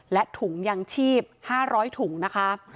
และถุงยังชีพ๕๐๐ถุงนะคะ